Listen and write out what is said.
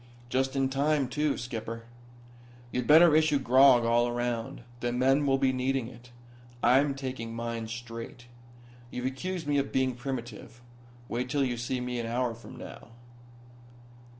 "Just in time, too. Skipper, you'd better issue grog all around. The men will be needing it. I'm taking mine straight. You've accused me of being primitive. Wait till you see me an hour from now."